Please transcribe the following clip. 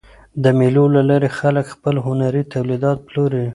د مېلو له لاري خلک خپل هنري تولیدات پلوري.